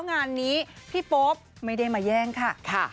งานนี้พี่โป๊ปไม่ได้มาแย่งค่ะ